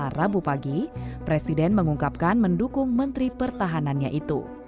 rabu pagi presiden mengungkapkan mendukung menteri pertahanannya itu